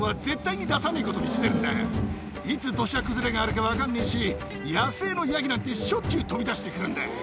いつ土砂崩れがあるか分かんねえし野生のヤギなんてしょっちゅう飛び出して来るんだ。